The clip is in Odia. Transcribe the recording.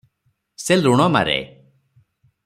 ସେ ଲୁଣ ମାରେ ।